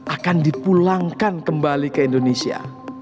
akan dipulangkan kembali ke indonesia